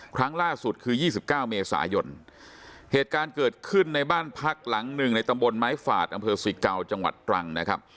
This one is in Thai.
ครั้งล่าสุดคือ๒๙เมษายนเหตุการณ์เกิดขึ้นในบ้านพักหลังหนึ่งในตำบลไม้ฝาดอำเภอศรีเกาจังหวัดตรังนะครับ